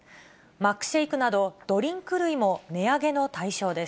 マックシェイクなど、ドリンク類も値上げの対象です。